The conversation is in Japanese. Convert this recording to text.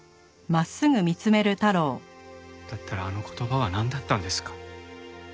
だったらあの言葉はなんだったんですか？